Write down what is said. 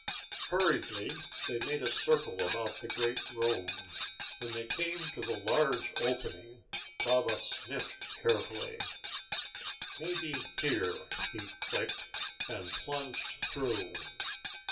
Hurriedly they made a circle about the great room. When they came to the large opening, Baba sniffed carefully. "Maybe here," he clicked, and plunged through.